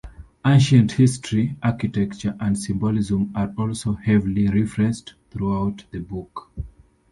Ancient history, architecture, and symbolism are also heavily referenced throughout the book.